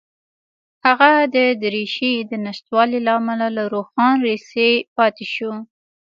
هغه د دریشۍ د نشتوالي له امله له روښان لېسې پاتې شو